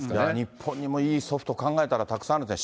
日本にもいいソフト考えたら、たくさんあるね。